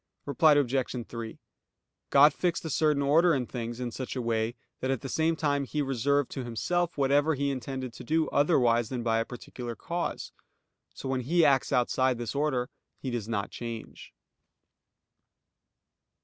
Reply Obj. 3: God fixed a certain order in things in such a way that at the same time He reserved to Himself whatever he intended to do otherwise than by a particular cause. So when He acts outside this order, He does not change.